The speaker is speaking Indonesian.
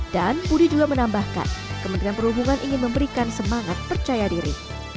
dan budi juga menambahkan kementerian perhubungan ingin memberikan semangat percaya diri